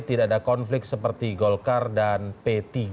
tidak ada konflik seperti golkar dan p tiga